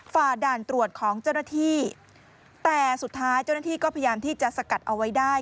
ฝ่าด่านตรวจของเจ้าหน้าที่แต่สุดท้ายเจ้าหน้าที่ก็พยายามที่จะสกัดเอาไว้ได้